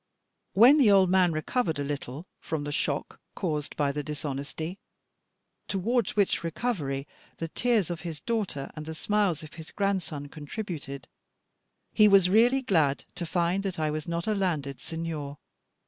When the old man recovered a little from the shock caused by the dishonesty towards which recovery the tears of his daughter and the smiles of his grandson contributed he was really glad to find that I was not a landed Signor.